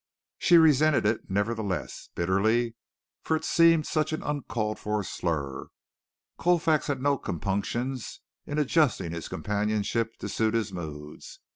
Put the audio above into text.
She resented it nevertheless, bitterly, for it seemed such an uncalled for slur. Colfax had no compunctions in adjusting his companionship to suit his moods.